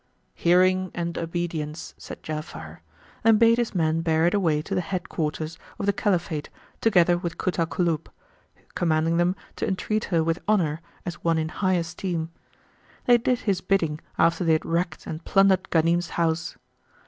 "Hearing and obedience," said Ja'afar, and bade his men bear it away to the head quarters of the Caliphate together with Kut al Kulub, commanding them to entreat her with honour as one in high esteem. They did his bidding after they had wrecked and plundered Ghanim's house.